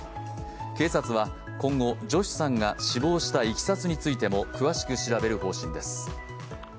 警察は今後、ジョシさんが死亡したいきさつについても詳しく調べる方針です。